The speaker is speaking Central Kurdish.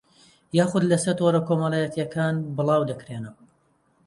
یاخوود لەسەر تۆڕە کۆمەڵایەتییەکان بڵاودەکرێنەوە